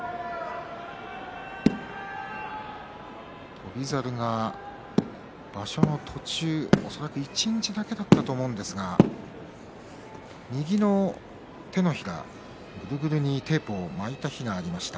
翔猿が、場所の途中恐らく一日だけだと思うんですが右の手のひら、ぐるぐるにテープを巻いた日がありました。